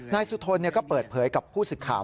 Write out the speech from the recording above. นายสุธนก็เปิดเผยกับผู้ศึกข่าว